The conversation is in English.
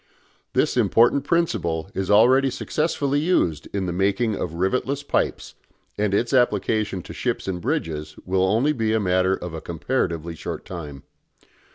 This important principle is already successfully used in the making of rivetless pipes, and its application to ships and bridges will be only a matter of a comparatively short time.